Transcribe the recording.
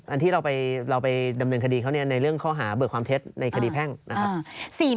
อันที่เราไปดำเนินคดีเขาในเรื่องข้อหาเบิกความเท็จในคดีแพ่งนะครับ